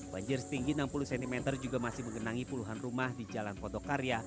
banjir setinggi enam puluh cm juga masih mengenangi puluhan rumah di jalan potokarya